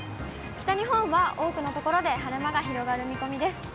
北日本は多くの所で晴れ間が広がる見込みです。